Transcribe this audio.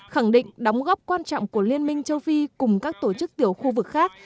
khẳng định đóng góp quan trọng của liên minh châu phi cùng các tổ chức tiểu khu vực khác